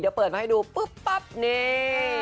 เดี๋ยวเปิดมาให้ดูปุ๊บปั๊บนี่